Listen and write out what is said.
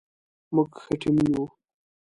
موږ ښه ټیم یو